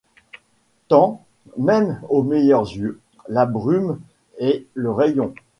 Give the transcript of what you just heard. Tant, même aux meilleurs yeux, la brume et le rayon